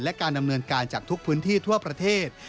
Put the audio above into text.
และการดำเนินการจากทุกพื้นที่ทั่วประเทศ